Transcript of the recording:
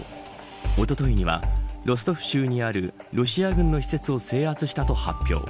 おとといには、ロストフ州にあるロシア軍の施設を制圧したと発表。